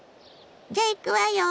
じゃいくわよ。